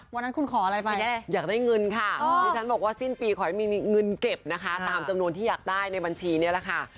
วันนั้นคุณขออะไรไปอยากได้เงินค่ะดิฉันบอกว่าสิ้นปีขอให้มีเงินเก็บนะคะตามจำนวนที่อยากได้ในบัญชีนี่แหละค่ะ